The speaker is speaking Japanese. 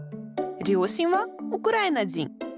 両親はウクライナ人。